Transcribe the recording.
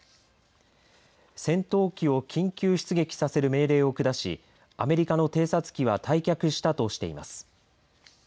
戦闘機を緊急出撃させる命令を下しアメリカの偵察機は退却したとしています。